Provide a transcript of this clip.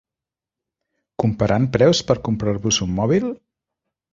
Comparant preus per comprar-vos un mòbil?